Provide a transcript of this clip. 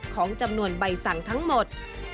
ของจำนวนใบสั่งทั้งหมด